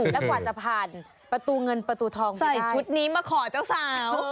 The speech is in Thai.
แล้วกว่าจะผ่านประตูเงินประตูทองใส่ชุดนี้มาขอเจ้าสาว